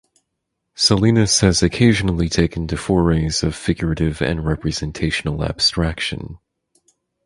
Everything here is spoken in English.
Salinas has occasionally taken to forays of figurative and representational abstraction.